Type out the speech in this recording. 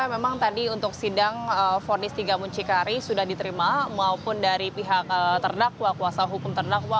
memang tadi untuk sidang fonis tiga muncikari sudah diterima maupun dari pihak terdakwa kuasa hukum terdakwa